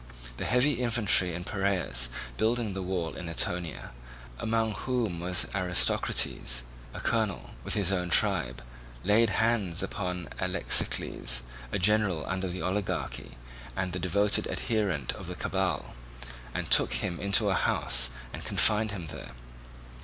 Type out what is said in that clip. The heavy infantry in Piraeus building the wall in Eetionia, among whom was Aristocrates, a colonel, with his own tribe, laid hands upon Alexicles, a general under the oligarchy and the devoted adherent of the cabal, and took him into a house and confined him there.